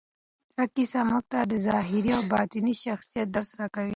دا کیسه موږ ته د ظاهري او باطني شخصیت درس راکوي.